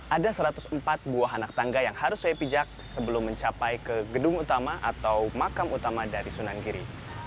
ada satu ratus empat buah anak tangga yang harus saya pijak sebelum mencapai ke gedung utama atau makam utama dari sunan giri